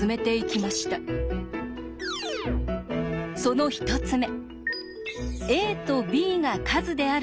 その１つ目。